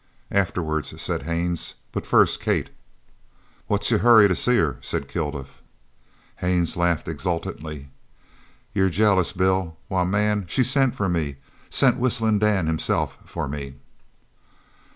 "Afterwards," said Haines. "But first Kate." "What's your hurry to see her?" said Kilduff. Haines laughed exultantly. "You're jealous, Bill! Why, man, she sent for me! Sent Whistling Dan himself for me."